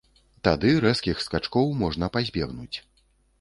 Тады рэзкіх скачкоў можна пазбегнуць.